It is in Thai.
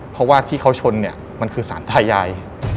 เพราะว่าที่เขาชนเนี่ยมันคือสารทายาย